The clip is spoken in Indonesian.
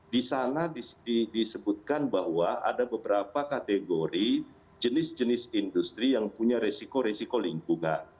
disana disebutkan bahwa ada beberapa kategori jenis jenis industri yang punya resiko resiko spent chrome